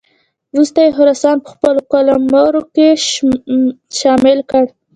وروسته یې خراسان په خپل قلمرو کې شامل کړ.